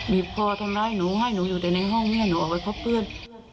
คอทำร้ายหนูให้หนูอยู่แต่ในห้องแม่หนูออกไปพบเพื่อน